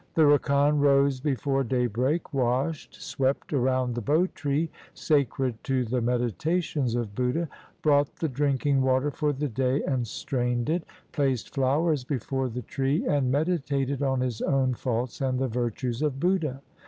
The rakan rose before daybreak, washed, swept around the Bo tree, sacred to the meditations of Buddha, brought the drinking water for the day and strained it, placed flowers before the tree, and meditated on his own faults and the virtues of Buddha.